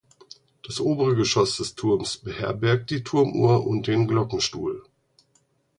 Das obere Geschoss des Turms beherbergt die Turmuhr und den Glockenstuhl.